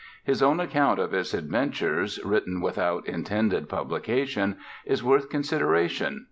His own account of his adventures, written without intended publication, is worth consideration.